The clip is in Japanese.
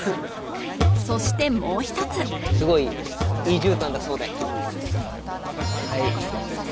そしてもう一つすごいいい絨毯だそうではい